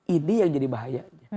ini yang jadi bahaya